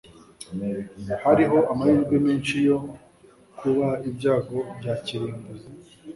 Hariho amahirwe menshi yo kuba ibyago bya kirimbuzi.